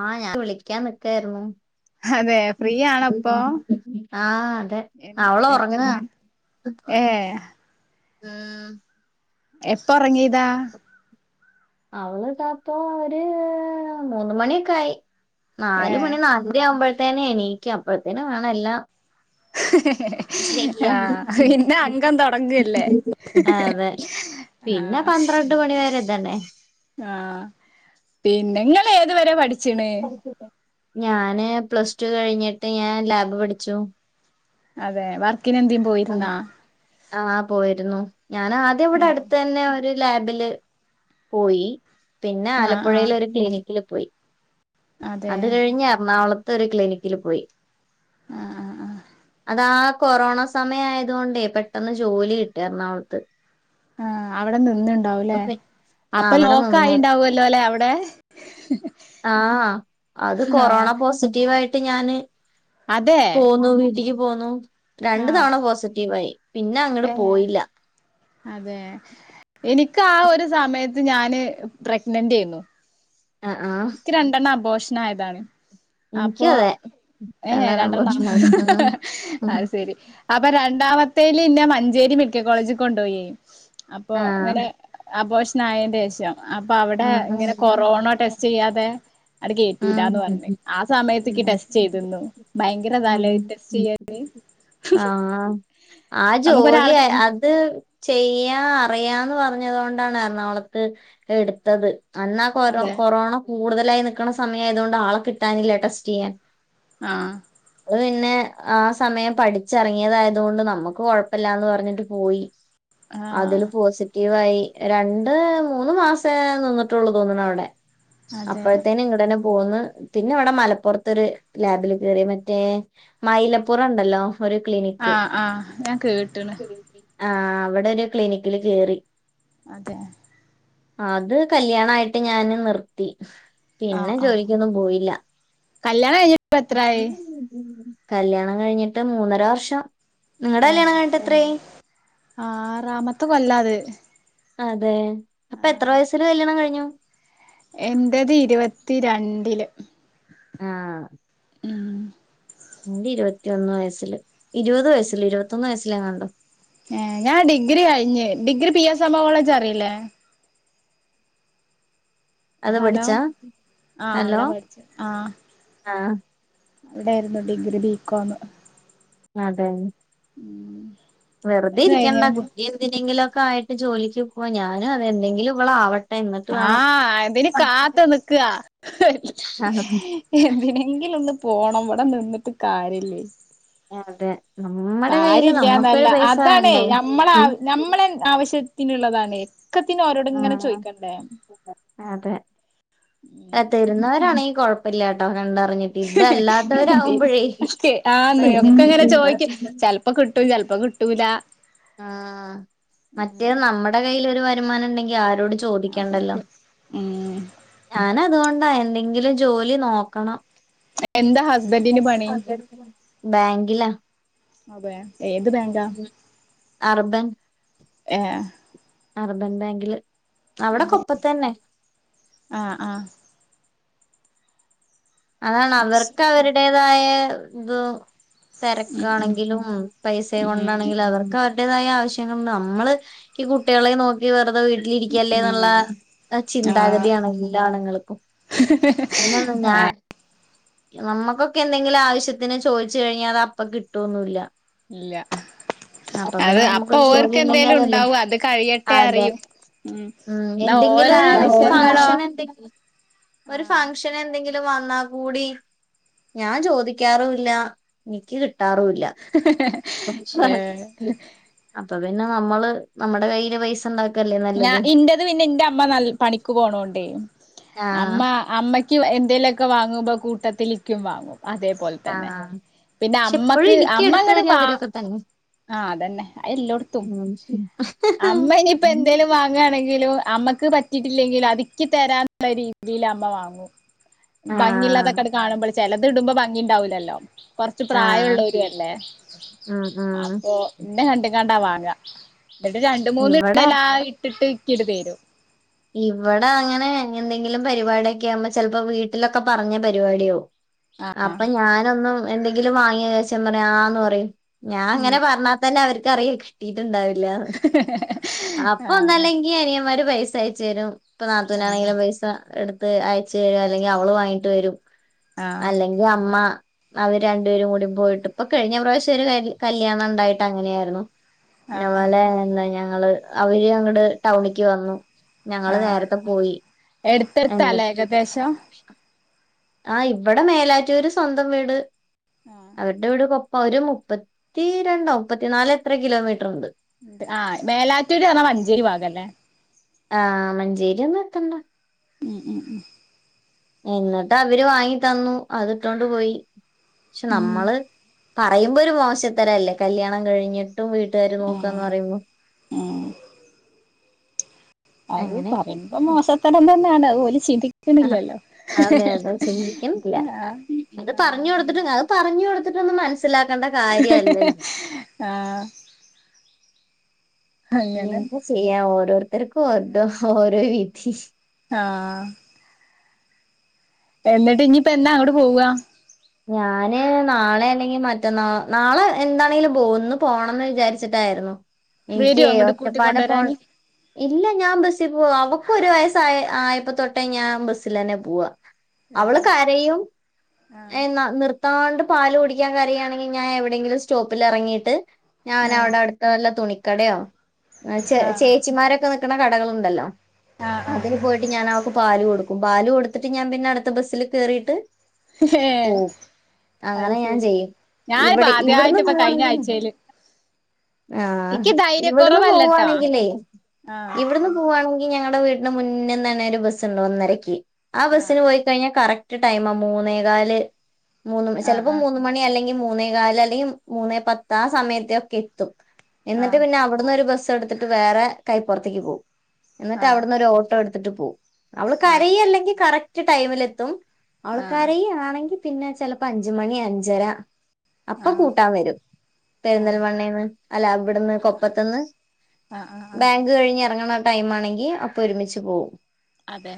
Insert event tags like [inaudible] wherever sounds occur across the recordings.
ആഹ് ഞാൻ വിളിക്കാൻ നിക്കായിരുന്നു അതെ ഫ്രീ ആണപ്പൊ [unintelligible] ആഹ് അതെ അവള് ഒറങ്ങ ഏഹ് ആഹ് എപ്പൊ ഒറങ്ങിയതാ അവള് താപ്പ ഒരു മൂന്ന് മണിയൊക്കെ ആയി ഏ നാല് മണി നാലര ആവുമ്പോഴത്തേനെ എണീക്ക അപ്പഴത്തേന വേണം എല്ലാം ഹ [unintelligible] ചെയ [inaudible] [unintelligible] അങ്കം തൊടങ്ങല്ലേ അ അതെ പിന്നെ ആഹ് പന്ത്രണ്ട് മണിവരെ ഇതന്നെ ആഹ് പിന്നെ നിങ്ങള് ഏതു വരെ പഠിച്ചീണ് ഞാന് പ്ലസ് ടു കഴിഞ്ഞിട്ട് ഞാൻ ലാബ് പഠിച്ചു അതെ വർക്കിന് എന്തേും പോയിരുന്നാ ഞൻ ആദ്യം ഇവിടെ അടുത്ത തന്നെ ഒരു ലാബില് പോയി പിന്നെ ആഹ് ആഹ് ആലപ്പുയെൽ ഒരു ക്ലിനിക്കില് പോയി അതെ അത് കഴിഞ്ഞ് എറണാകുളത്ത് ത്ഒരു ക്ലിനിക്കില് പോയി ആ ആ ആ അതാ കൊറോണ സമയ ആയതോണ്ടേ പെട്ടെന്ന് ജോലി കിട്ടി എറണാകുളത്ത് ആഹ് അവിടെ നിന്നണ്ടാവുംല്ലേ ആ അപ്പൊ അവിടെ ലോക്ക് നിന്ന് ആയിണ്ടാവല്ലോ അല്ലെ അവിടെ ആഹ് അത് കൊറോണ ആഹ് പോസിറ്റീവ് ആയി ട്ട് ഞാന് അതെ പോന്നു വീട്ടിക്ക് പോന്നു രണ്ടു ആഹ് തവണ പോസിറ്റീവായി പിന്നെ അങ്ങട് ഏഹ് പോയില്ല അതെ എനിക്ക് ആ ഒരു സമയത്ത് ഞാന് പ്രഗ്നന്റായിരുന്നു ആഹ് ആഹ് ക്ക് രണ്ടെണ്ണം ആബോഷണായതാണ് അപ്പൊ എനിക്കും അതെ ഏ രണ്ടാം രണ്ടന്ന പ്രശ്നായി അഹ് ശരി അപ്പൊ രണ്ടാമത്തെ ത്തേൽ ഇന്നെ മഞ്ചേരി മെഡിക്കൽ കോളേജിൽ കൊണ്ടോയി അപ്പോ ആഹ് ങ്ങനെ ന്നയെന്റെഷം അപ്പൊ അവിടെ ആഹ് ഇങ്ങനെ ആഹ് കൊറോണോ ടെസ്റ്റ് യ്യാതെ അട് കേറ്റൂലന്ന് പർഞ് ആഹ് ആ സമയത്തേക്ക് ടെസ്റ്റ് ചെയ്തിു ഭയങ്കര തല ടെസ്റ്റ് ആഹ് ചെയ്യാന് ആഹ് ആ ജോലി നമുക്കൊരാളെ അത് ചെയ്യ പ്രയാന്ന് പറഞ്ഞതോണ്ടാണ് എറണാകുളത്ത് എടുത്തത് അന്നാ കൊറ അതെ കൊറോണ കൂടുതലായി നക്ണ സമയ ആയതുകൊണ്ട് ആളെ കിട്ടാനില്ല ടെസ്റ്റ് യ്യാൻ ആഹ് അത് പിന്നെ ആ സമയം പഠിച്ചിറങ്ങിയതായതുകൊണ്ട് നമുക്ക് കൊഴപ്പില്ലാന്ന് പറഞ്ഞിട്ട് പോയി ആഹ് അതില് പോസിറ്റീവായി രണ്ട് മൂന്ന് മാസ പേ നിന്നിട്ടുള്ളൂ തോന്നണ അവിടെ അതെ അപ്പോഴത്തേന് ഇങ്ങെടന്നെ പോന്ന് പിന്നെ ഇവിടെ മലപ്പുറത്തൊരു ലാബിൽ കേറി മറ്റേ മൈലപ്പുറംണ്ടല്ലോ ഒരു ക്ളിനിക്ക് ആഹ് ആഹ് ഞാൻ കേട്ട്ണ് ആ് അവിടെ ഒരു ക്ലിനിക്കില് കയറി അതെ അത് കല്യാണ ആയിട്ട് ഞാന് നിർത്തി ആഹ് പിന്നെ ആഹ് ജോലിക്കൊന്നും പോയില്ല കല്യാണം കഴിഞ്ഞിട്ട് എത്രായി കല്യാണം കഴിഞ്ഞിട്ട് മൂന്നര വർഷം നിങ്ങളുടെ കല്യാണം കഴഞ്ഞിട്ട് എത്രായി ആ റാമത്ത് കൊല്ലാത് അതെ അപ്പൊ എത്ര വയസ്സില് കല്യാണം കഴിഞ്ഞു എന്റത് ഇരുപത്തിരണ്ടില് ആഹ് അന്റെ ഇരുപത്തിയൊന്ന് വയസ്സില് ഇരുപത് വയസ്സില് ഇരുപത്തൊന്ന് വയസ്സിലങ്ങണ്ടോ ഏ ഞാൻ ഡിഗ്രി കഴിഞ് degree P S M college അറിയില്ലേ അത് ഹലോ പഠിച്ചാ ആഹ അവിട ഹലോ പഠിച്ചെ ആഹ ആഹ് അവിടെ ആയിരുന്നു ഡിഗ്രി ബികോംമ് അതെ വെറുതെ അത് ഇരിക്കണ്ട കഴിഞ്ഞേന് കുട്ടി എന്തിനെങ്കിലും ഒക്കെ ആയിട്ട് ജോലിക്ക് പോവാ ഞാനും അതെ എന്തെങ്കിലും ഇവള് ആവ ആഹ എന്തിന് കാ പോണം ഇവ്ടെ നിന്നിട്ട് കാര്യല്ലേ അതെ നമ്മടെ ആരു കയ്യില് നമ്മക്കൊരു ഇല്യാന്നല്ല പൈസ അതാണ് വേണ്ടേ നമ്മളെ ആവ നമ്മളെ ആവശ്യത്തിനുള്ളതാണ് ഒക്കത്തിന് ഓരോട് ആ ഇങ്ങനെ ചോയിക്കണ്ടേ അതെ തരുന്നവരാണെ കുഴപ്പല്ല്യട്ടോ കണ്ട [unintelligible] ആന്നെ ഭയങ്കര ഒക്കെ അങ്ങനെ ബുദ്ധിമുട്ടാ ചോദിക്കും ചിലപ്പോ കിട്ടും ചിലപ്പോ കി ട്ടൂല ആ മറ്റേ നമ്മടെ കൈയ്യിൽ ഒരു വരുമാനം ഉണ്ടെങ്കി ആരോട് ചോദിക്കണ്ടല്ലോ നമ്മക്ക് ഉം ഞാനതുകൊ ണ്ട എന്തെങ്കിലും ജോലി നോക്കണം എന്താ ഹസ് ബാങ്കില അതെ ഏത് ബാങ്കാ അർബൻ ഏ അർബൻ ബാങ്കില് അവിടെ അതെ കൊപ്പത്തന്നെ ആഹ് ആഹ് അതാണ് അയ്ശരി അവർക്ക് അവരുടേതായ ഇതു ഉം തെരക്കാണെങ്കിലും പൈസ ഉം കൊണ്ടാണെങ്കിലും അവർക്ക് അവ ര്തായ ആവശ്യങ്ങൾണ്ട് നമ്മള് ഈ കുട്ടികളെ നോക്കി വെറുതെ വീട്ടിലിരിക്കല്ലേ ഉം എന്നുള്ള ഉം ആഹ് ചിന്താഗതിയാണ് എല്ലാ ആണുങ്ങൾക്കും അന്നന്നഞാൻ നമ്മക്കൊക്കെ എന്തെങ്കിലും ആവശ്യത്തിന് ചോദിച്ചു കഴിഞ്ഞാ അത് അപ്പൊ കിട്ടുവൊന്നുംല്ല ഇല്ല അപ്പൊ അത് പിന്നെ അപ്പൊ നമ്മുക്കെരു ജോലി ഓർക്ക് എന്തേലും ഉണ്ടെങ്കിഅതെല്ലെ ഉണ്ടാവും അത് കഴിയട്ടെ അതെ അറിയും ഉം എന്നാ എന്തെങ്കിലും ഓരോ ഒരു ആവശ്യങ്ങളോ ഫംങ്ഷന്എന്ത ഒരു ഫംങ്ഷ എന്തെങ്കിലും വന്നാ കൂടി ഞാൻ ചോദിക്കാറുല്ല എനിക്ക് കി ട്ടാറുല്ല ഏ [unintelligible] അതൊണ്ട പിന്നെ നമ്മള് നമ്മടെ കയ്യില് പൈസ ഒണ്ടാ ഞ ഇന്റെത് പിന്നെ എന്റെ അമ്മ നൽ പണിക്ക് പോണോണ്ടേ അമ്മ ആഹ് അമ്മ ക്കും എന്തേലൊക്കെ വാങ്ങുമ്പ കൂട്ടത്തിലേയ്ക്കും വാങ്ങും അതേപോലെ തന്നെ ആഹ് പിന്നെ പക്ഷെ എപ്പോഴും അമ്മക്ക് എനിക്ക് അമ്മ എടുത്ത് ഇങ്ങട് തരാ വാ അവരൊക്കെ തന്നെ ആഹ അതന്നെ എല്ലേടത്തും അമ്മ ഇനിയിപ്പ എന്തേ ല്ലും വാങ്ങയാണെങ്കിലും അമ്മക്ക് പറ്റിട്ടില്ലെങ്കില് അതിക്ക് തരാനുള്ള രീതിയിൽ അമ്മ വാങ്ങും ഭംഗി ആഹ് ഇല്ലാതൊക്കെ അത് കാണുമ്പോള് ചിലത് ഇടുമ്പോ ഭംഗി ഉണ്ടാവൂല്ലല്ലോ കൊറച്ച് പ്രായ ആഹ് ഉള്ളവരല്ലേ ഉം ഉം അപ്പൊ എന്റെ കണ്ടും കാണ്ടാ വാങ്ങ ഇട്ടിട്ട് രണ്ട് മൂന്ന ഇവിടെ ഇടല്ലാം ഇട്ടിട്ട് ഇക്കിട്ട് തരും ഇവിടെ അങ്ങനെ എന്തെങ്കിലും പരിപാടിയൊക്കെ ആകുമ്പോ ചിലപ്പോ വീട്ടിലൊക്കെ പറഞ്ഞ പരിപാടിയോം ആഹ് അപ്പൊ ഞാനൊന്നും എന്തെങ്കിലും വാങ്ങിയച്ച പറയാ ആന്ന് പറയും ഞാൻ ഉം അങ്ങനെ പറഞ്ഞാ തന്നെ അവർക്ക് അറിയാം കിട്ടി ട്ടൊണ്ടാവില്ലാന്ന് ആഹ് അപ്പൊന്നെല്ലങ്കില് അനിയൻമാര് പൈസ അയച്ച് തരും ഇപ്പ നാത്തൂനാണെങ്കിലും പൈസ എടുത്ത് അയച്ചു തരും അല്ലെങ്കി അവള് വാങ്ങിട്ട് വരും ആഹ് അല്ലെങ്കി അമ്മ അവര് രണ്ടുപേരും കൂടി പോയിട്ട് ഇപ്പൊ കഴിഞ്ഞ പ്രാവശ്യം ഒരു കല്യാ കല്യാണം ഒണ്ടായിട്ട് അങ്ങനെയായിരുന്നു പിന്ന ആഹ് പോലെ എന്താ ഞങ്ങള് അവര് അങ്ങട് ടൗണിക്ക് വന്നു ഞങ്ങള് ആഹ് നേരത്തെ പോയി എന്നി എടുത്തെടുത്താല്ലേ ഏകദേശം ആഹ് ഇവിടെ മേലാറ്റൂര് സ്വന്തം വീട് അവരുടെ വീട് കൊ ഒരു മുപ്പത്തിരണ്ടോ മുപ്പത്തിനാല് എത്ര കിലോമീറ്റർ ഒണ്ട് [unintelligible] ആഹ് മേലാറ്റൂര് പറഞ്ഞാ മഞ്ചേരി ഭാഗം അല്ലേ ആഹ് മഞ്ചേരി ഒന്നും എത്തണ്ട. ഉം ഉം ഉം എന്നിട്ട് അവര് വാങ്ങി തന്നു അതിട്ടോണ്ട് പോയി പക്ഷേ ഉം ഉം നമ്മള് പറയുമ്പൊ ഒരു മോശത്തരല്ലേ കല്ല്യാണം കഴിഞ്ഞിട്ടും വീട്ടുകാര് നോക്കാന്ന് പറയുമ്പോ ഊം അത് അങ്ങനെയൊക്കെ പറയുമ്പോ മോസത്തരം തന്നെയാണ് അത് ഓല് ചിന്തിക്ക്ണ്ല്ലല്ലോ ആഹ് ഇത് പർഞ്ഞു കൊടുത്തിട്ട് കാ അത് പർഞ്ഞു കൊടുത്തിട്ടൊന്നും മൻസി സ്സിലാക്കണ്ട കാര്യല്ലൽ ആഹ് ആഹ് അങ്ങനെ എന്താ ചെയ്യാ ഓരോരുത്തർക്കും [unintelligible] ഓരോ വിതി ആഹ് എന്നിട്ട് ഇഞ്ഞിപ്പ എന്നാ അങ്ങോട്ട് പോവാ ഞാന് നാളെ അല്ലെങ്കി മറ്റന്നാ നാളെ എന്താണെങ്കിലും പോവും ഇന്ന് പോണംന്ന് വിചാരിച്ചിട്ടാ യിരുന്നു വരോ ഇൻക്കീ അങ്ങോട്ട് ഒറ്റപ്പാല പോ കൂട്ടിക്കൊണ്ടുവരാന് ഇല്ല ഞാൻ ബസിൽ പോവും അവ ക്കൊരു ഒരു വയസ്സായ ആ ആയപ്പ തൊട്ടേ ഞാൻ ബസ്സിലെന്നെ പോവാ അവള് ഏഹ് കരയും ആഹ് എന്നാ നിർത്താണ്ട് പാല് കുടിക്കാൻ കരയാണെങ്കി ഞാ എവിടെങ്കിലും സ്റ്റോപ്പില് എറങ്ങിയിട്ട് ആഹ് ഞാനവിടെടുത്തല്ല തുണി ക്കടയോ ചേ ആഹ് ചേച്ചിമാരൊക്കെ നിക്ക്ണ കടകളുണ്ടല്ലോ ആഹ് ആഹ് അതില് പോയിട്ട് ഞാൻ അവക്ക് പാല് കൊടുക്കും പാല് കൊടു ത്തിട്ട് ഞാൻ പിന്നെ അടുത്ത ബസ്സില് കേറിയിട്ട് ഏഹ് പോവും അങ്ങനെ ഞാൻ അയ്ശരി ചെയ്യും ഞാനിപ്പോ ഇവിടെ ആദ്യായിട്ട് ഇവിടുന്ന് ഇപ്പ കഴിഞ്ഞ പോവാണെങ്കിൽ ആഴ്ചയില് ആഹ് എനിക്ക് ഇവിടുന്ന് ധൈര്യക്കൊറവല്ലട്ടോ പോവാണെങ്കിലേ ആഹ് ഇവിടുന്ന് പോവാണ് ങ്കി ഞങ്ങടെ വീടിന്റെ മുന്ന്ന്നന്നെ ഒരു ബസ്സ്‌ണ്ട് ഒന്നരയ്ക്ക് ആ ആഹ് ബസ്സിന് പോയി കഴിഞ്ഞാ കറക് റ്റ് ടൈമാ മൂന്നേകാല് മൂന്ന് ചിലപ്പോ ആഹ് മൂന്ന് മണി അല്ലെങ്കിൽ മൂന്നേ കാല് അല്ലെങ്കിൽ മൂന്നേ പത്ത് ആ സമയത്തൊക്കെ എത്തും എന്നിട്ട് ആഹ് പിന്നെ അവിടുന്ന് ഒരു ബസ് എടുത്തിട്ട് വേറെ കൈപ്പുറത്തേക്ക് പോവും. എന്നിട്ട് ആഹ് അവിടുന്ന് ഓര് ഓട്ടോ എടുത്തിട്ട് പോവും അവള് കരയില്ലെങ്കി കറക്റ്റ് ടൈമിലെത്തും. അവള് ആഹ് കരയിണെങ്കി പിന്നെ ചെലപ്പോ അഞ്ച് മണി അഞ്ചരാ ആഹ് ആഹ് അപ്പൊ ആഹ് കൂട്ടാൻ വരും. ആഹ് പെര്ന്തൽമണ്ണേന്ന് അല്ല അവിടുന്ന് കൊപ്പത്തുന്ന്. ആഹ് ആഹ് ആഹ് ബാങ്ക് കഴിഞ്ഞ് ഇറങ്ങണ ടൈം ആണെങ്കി അപ്പൊ ഒരുമിച്ച് പോവും അതെ.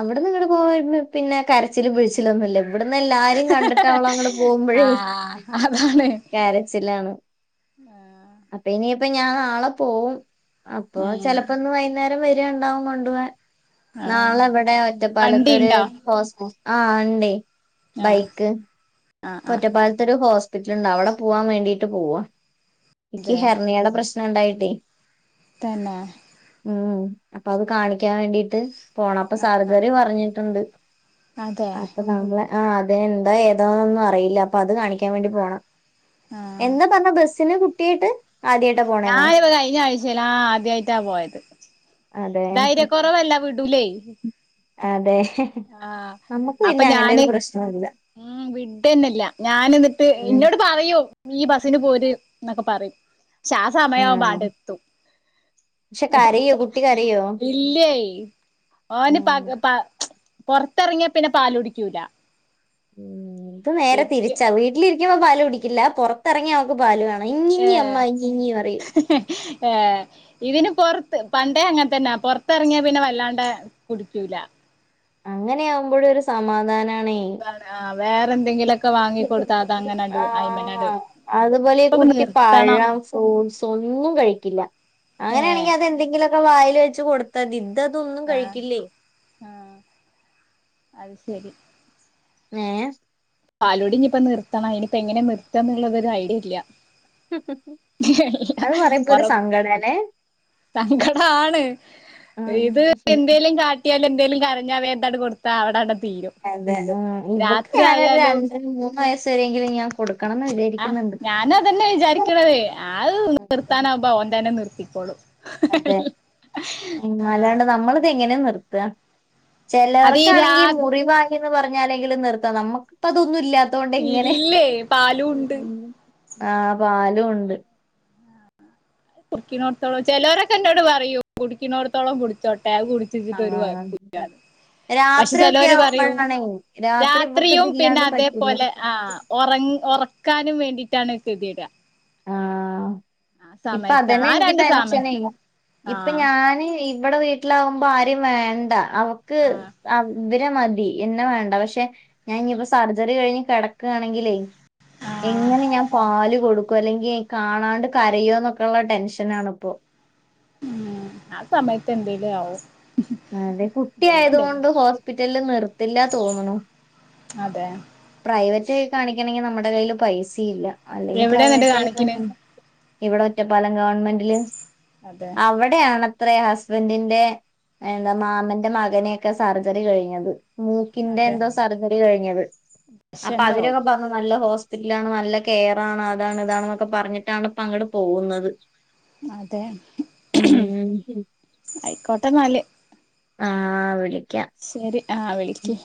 അവിടെ നിങ്ങടെ പോ പിന്നെ കരച്ചിലും പിഴിച്ചിലൊന്നുല്ല. ഇവിടന്ന് എല്ലാരും കണ്ടിട്ടാവളോ അങ്ങടെ പോകുമ്പോഴേ ആഹ് അതാണ് കരച്ചിലാണ് അപ്പൊ ഇനി അപ്പൊ ഞാൻ നാളെ പോവും. അപ്പൊ ഉം ചെലപ്പോ ഇന്ന് വൈകുന്നേരം വെരിയണ്ടാവും കൊണ്ടു പോവാൻ. ആഹ് നാളെവിടെ ഒറ്റപ്പാലത്തൊരു വണ്ടിണ്ടോ ഹോസ് ആ ഉണ്ടേ ആഹ് ബൈക്ക് ആഹ് ആഹ് ഒറ്റപ്പാലത്തരു ഹോസ്റ്റ ഹോസ്പിറ്റലുണ്ട് അവിടെ പോവാൻ വേണ്ടിട്ട് പോവാ എനിക്ക് അതെ ഹെർണിയയുടെ പ്രശ്നം ഉണ്ടായിട്ടേ തന്നെ. ഉം അപ്പൊ അത് കാണിക്കാൻ വേണ്ടിട്ട് പോണം അപ്പൊ ആ ആ സാർജറി പറഞ്ഞിട്ടുണ്ട് അതെ അപ്പൊ നാളെ ആ അതെന്താ ഏതാന്നൊന്നും അറിയില്ല അപ്പൊ അത് കാണിക്കാൻ വേണ്ടി പോണം ആ എന്താ പറഞ്ഞ ബസിന് കുട്ടിയായിട്ട് ആദ്യായിട്ടാ പോണേന്നോ ഞാനിപ്പോ കഴിഞ്ഞ ആഴ്ചല്ലാ ആദ്യായിട്ടാ പോയത് അതെ ധൈര്യകൊറവല്ല വിടുല്ലേ അതെ ആ നമുക്ക് അപ്പൊ പിന്നെ അങ്ങനെ ഒരു ഞാന് പ്രശ്നമില്ല ഉം വിഡാനില്ല ഞാന് എന്നിട്ട് ഉം ഇന്നോട് പറയോ നി ബസിന് പോര് എന്നൊക്കെ പറയും ആ സമയം ആടെ എത്തും. പക്ഷെ കരയോ കുട്ടി കരയോ ഇല്ലായി ഓന് ഉം പ പ പോറത്തിറങ്ങിയാ പിന്നെ പാല് കുടിക്കൂലാ ഉം ഇത് നേരെ തിരിച്ചാ വീട്ടിലിരിക്കുമ്പ പാല് കുടിക്കില്ല. പോറത്തിറങ്ങിയ അവക്ക് പാല് വേണം. ഞ്ഞിഞ്ഞി അമ്മ ഞ്ഞിഞ്ഞി പറയും. ഏ ഇതിന് പൊറത്ത് പണ്ടേ അങ്ങനെത്തന്നെ പൊറത്തെറങ്ങിയാ പിന്നെ വല്ലാണ്ട കുടിക്കൂലാ അങ്ങനെയ ആകുമ്പോഴ്‌ ഒരു സമാധാനം ആണെ സുഖാണ് ആഹ് വേറെ എന്തെങ്കിലൊക്കെ വാങ്ങി കൊടുത്താ അതങ്ങനണ്ട് ആ അയ്മലണ്ട് അതുപോലെ ഇപ്പൊക്കെ കുട്ടി നിർത്തണം പഴം ഫ്രൂട്ടസ് ഒന്നും കഴിക്കില്ല ഏഹ് അങ്ങനൊണെങ്കി അതെന്തെങ്കിലും വായില് വെച്ച് കൊടുത്തത് ഇതതൊന്നും ആഹ് കഴിക്കില്ലേ ആഹ് അത് ശരി ഏ പാലോടി ഇനിയിപ്പൊ നിർത്തണം. ഇനിയിപ്പ എങ്ങനെ നിർത്ത എന്നുള്ളത് ഒരു ഐഡിയ ഇല്ല. അത് പറയുമ്പോ ഒറ ഒരു സങ്കട അല്ലെ. സങ്കടാണ് ഇത് ഉം എന്തേലും കാട്ടിയാല് എന്തെലും കരഞ്ഞാ വേ അതാണ്ട്കൊടുത്ത അവിടെ അതെതെ ഇവക്ക് ഞാനൊരു രണ്ട് മൂന്ന് വയസ് ആ ഞാന് അത്തനെ വിചാരിക്കണത് അത് നിർത്താനാ ബ ഓന് തന്നെ നിർത്ത ഇപ്പോളും അതെ അല്ലാണ്ട് നമ്മളിത് എങ്ങനെയ നിർത്തുക അത് ഈ രാ ചിലർക്കാണെങ്കി മുറിവായിന്ന് പറഞ്ഞാലെങ്കിലും നിർത്താം നമ്മുക്കിപ്പം അതൊന്നും ഇല്ലാ. അതൊണ്ട് എങ്ങനെ ഇല്ലേ പാലും ഉണ്ട് ആ പാലും ഉണ്ട് കുടക്കിനോടത്തോളം ചിലവരൊക്കെ എന്നോട് പറയൂ കുടിക്കിനോടത്തോളം കുടിച്ചോ വേഗം കുടിച്ചുതിർത്തിട്ട് ഒരു ആഹ് വഴക്കുഇല്ലന്ന് പക്ഷെ രാത്രിയൊക്കെ ചിലഓര് പറയു ആവുമ്പോഴാണേ രാത്രി ഇവക്ക് രാത്രിയും പിന്നെ ഇതില്ലാണ്ട് പറ്റില്ല അതേപോലെ ആ ഉറ ഉറക്കാനും വേണ്ടിട്ടാണ് ബാരിക ആഹ് ഇപ്പൊ അതന്നെ ആ എനിക്ക് രണ്ട് സമയം ടെൻഷനെ ഇപ്പൊ ആഹ് ഞാന് ഇവടെ വീട്ടിലാകുമ്പോ ആരിം വേണ്ട അവക്ക് ആഹ് അവ് ഇവരെ മതി എന്നെ വേണ്ട പക്ഷെ ഞാൻ ഇനിയിപ്പോ സർജറി കഴിഞ്ഞ് കിടക്കുകയാണെങ്കിലേ ആഹ് എങ്ങനെ ഞാൻ പാല് കൊടുക്കും അല്ലെങ്കിൽ കാണാണ്ട് കരയോ ന്നൊക്കെള്ള ടെൻഷനാണിപ്പോ. ഉം ആ സമയത്ത് എന്തേലും ആവും. ആ അതെ കുട്ടി ദൈവം തരും ആയത്കൊണ്ട് ഹോസ്പിറ്റലിൽ നിർ ത്തില്ല തോന്നണു. അതെ പ്രൈവ റ്റിൽ കാണിക്കണമെങ്കിൽ നമ്മുടെ കയ്യിൽ പൈസ ഇല്ല അല്ലെങ്കിൽ എവിടെ എന്നിട്ട് പ്രൈവറ്റ് ആയി കാണിക്കണ് ഇവിടെ ഒറ്റപ്പാലം ഗവൺമെന്റില്. അതെ അവിടെയാണത്രെ ഹസ്ബന്റിന്റെ എന്താ മാമന്റെ മകനെയൊക്കെ സർജറി കഴിഞ്ഞത്. മൂക്കിന്റെ അതെ എന്തോ സർജറി കഴിഞ്ഞത്. അപ്പൊ പേഷന്റ് ആവും അവരൊക്കെ പറഞ്ഞു നല്ല ഹോസ് പിറ്റലാണ് നല്ല കെയറാണ് അതാണ് ഇതാണെന്നൊക്കെ പറഞ്ഞിട്ടാണ് ഇപ്പങ്ങട്‌ പോകുന്നത്. അതെ ഉം ആയിക്കോട്ടെന്നാല്. ആ വിളി ശരി ആഹ് വിളിക്ക്.